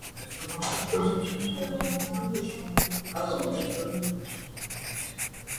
Ce processus est exécuté également sur une nouvelle installation de Windows.